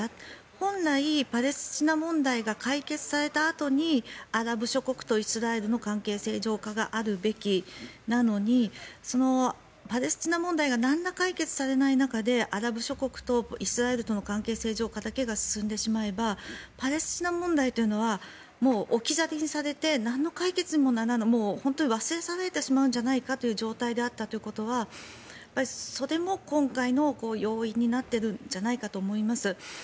本来、パレスチナ問題が解決されたあとにアラブ諸国とイスラエルの関係正常化があるべきなのにパレスチナ問題がなんら解決されない中でアラブ諸国とイスラエルの関係正常化だけが進んでしまえばパレスチナ問題というのはもう置き去りにされてなんの解決にもならない忘れ去られてしまうんじゃないかという状態であったということはそれも今回の要因になってるんじゃないかと思います。